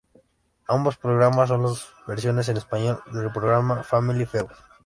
Ambos programas son las versiones en Español del programa "Family Feud".